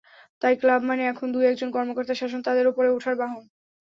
তাই ক্লাব মানে এখন দু-একজন কর্মকর্তার শাসন, তাঁদের ওপরে ওঠার বাহন।